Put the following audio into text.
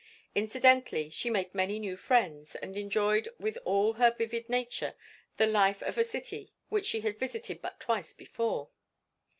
Incidentally, she made many new friends and enjoyed with all her vivid nature the life of a city which she had visited but twice before.